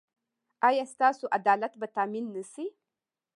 ایا ستاسو عدالت به تامین نه شي؟